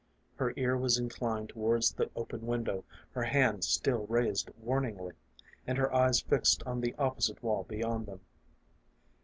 Her ear was inclined towards the open window, her hand still raised warningly, and her eyes fixed on the opposite wall beyond them.